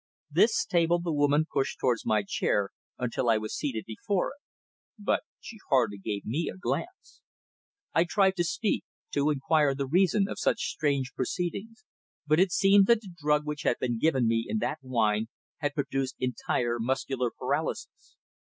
This table the woman pushed towards my chair until I was seated before it. But she hardly gave me a glance. I tried to speak, to inquire the reason of such strange proceedings, but it seemed that the drug which had been given me in that wine had produced entire muscular paralysis.